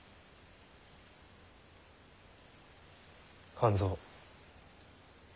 半蔵。